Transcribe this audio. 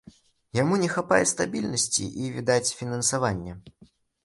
Яму не хапае стабільнасці і, відаць, фінансавання.